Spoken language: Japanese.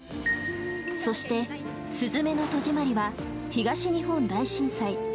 そして「すずめの戸締まり」は東日本大震災。